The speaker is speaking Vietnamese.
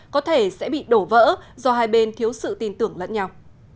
có thể sẽ bị đổ vỡ do hai bên thiếu sự tin tưởng lẫn nhau